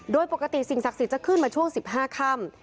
โดยปกติสิ่งศักดิ์สิทธิ์จะขึ้นมาช่วง๑๕ค่ำ